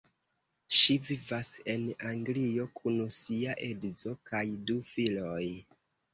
Ŝi vivas en Anglio kun sia edzo kaj du filoj.